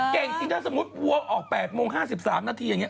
จริงถ้าสมมุติวัวออก๘โมง๕๓นาทีอย่างนี้